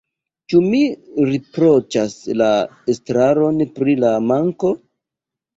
Ĉu mi riproĉas la estraron pri la manko?